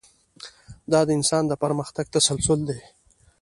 دا د انسان د پرمختګ تسلسل دی.